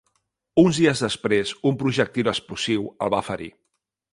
Uns dies després, un projectil explosiu el va ferir.